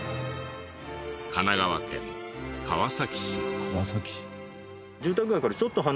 神奈川県川崎市。